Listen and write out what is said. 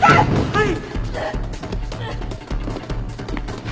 はい。